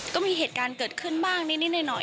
ก็มีเหตุการณ์เกิดขึ้นบ้างนิดหน่อย